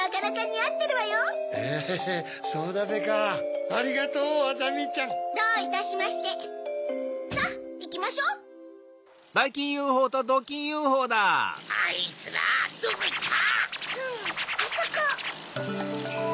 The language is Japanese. あそこ！